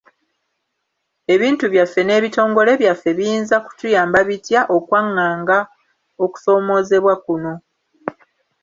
Ebintu byaffe n’ebitongole byaffe biyinza kutuyamba bitya okwaŋŋanga okusoomoozebwa kuno?